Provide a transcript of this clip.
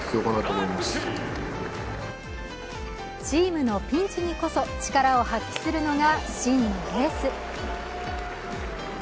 チームのピンチにこそ、力を発揮するのが真のエース。